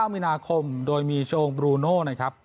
มีนาคมโดยมีโชงบลูโน่นะครับ